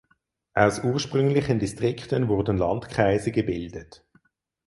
Aus ursprünglichen Distrikten wurden Landkreise gebildet.